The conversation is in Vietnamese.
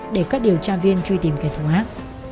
để các điều tra viên truy tìm kẻ thù ác